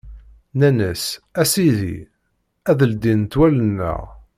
Nnan-as: A Sidi, ad d-ldint wallen-nneɣ!